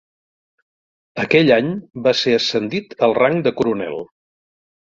Aquell any, va ser ascendit al rang de coronel.